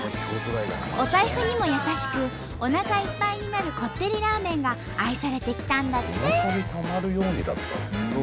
お財布にも優しくおなかいっぱいになるこってりラーメンが愛されてきたんだって！